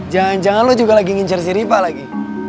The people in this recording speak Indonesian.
jangan jangan lo juga lagi ngincer si rifa lagi